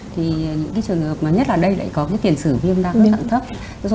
thì những trường hợp nhất là đây lại có tiền sử viêm đa khớp dạng thấp